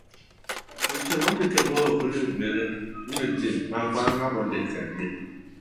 Weche mondiki ebugego okonego ong'ere neji makmana ne jal mane ondikogi.